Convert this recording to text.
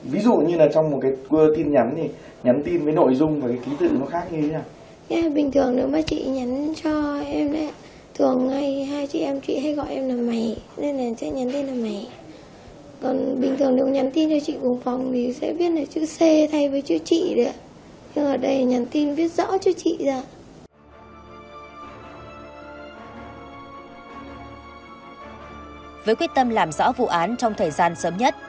với quyết tâm làm rõ vụ án trong thời gian sớm nhất